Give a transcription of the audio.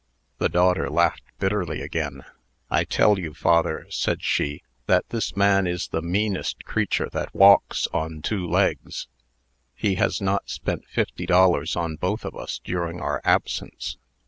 The daughter laughed bitterly again. "I tell you, father," said she, "that this man is the meanest creature that walks OB two legs. He has not spent fifty dollars on both of us, during our absence.